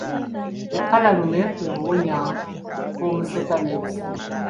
Ekkalalume kwe kuwunya kw'omusota n'ebisolo.